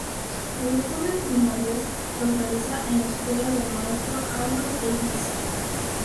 Los estudios primarios los realiza en la escuela del maestro Albert de Ibiza.